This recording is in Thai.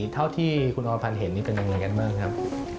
เท่าที่คุณอรพันธ์เห็นนี่เป็นยังไงกันบ้างครับ